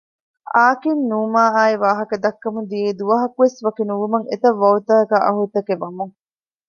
އާކިން ނޫމާއާއި ވާހަކަ ދައްކަމުން ދިޔައީ ދުވަހަކުވެސް ވަކިނުވުމަށް އެތައް ވައުދު ތަކަކާއި އަހުދު ތަކެއް ވަމުން